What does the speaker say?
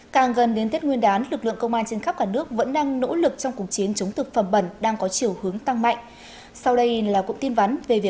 các bạn hãy đăng ký kênh để ủng hộ kênh của chúng mình nhé